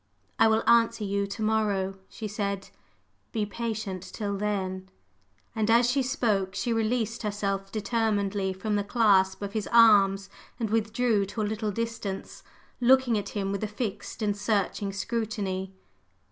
"I will answer you to morrow," she said. "Be patient till then." And as she spoke, she released herself determinedly from the clasp of his arms and withdrew to a little distance, looking at him with a fixed and searching scrutiny.